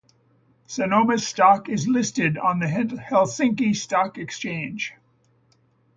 Sanoma's stock is listed on the Helsinki Stock Exchange.